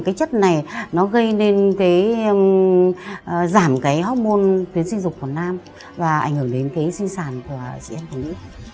cái chất này nó gây nên giảm cái hormone tuyến sinh dục của nam và ảnh hưởng đến sinh sản của chị em của mình